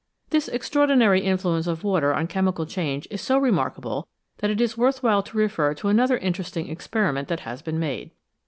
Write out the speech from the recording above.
This extraordinary influence of water on chemical change is so remarkable that it is worth while to refer to another interesting experiment that has been made.